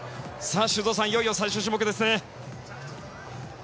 修造さん、いよいよ最終種目ですね。